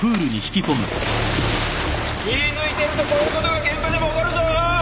気抜いてるとこういうことが現場でも起こるぞ。